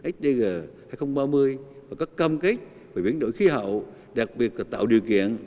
sdg hai nghìn ba mươi và các cam kết về biển đổi khí hậu đặc biệt là tạo điều kiện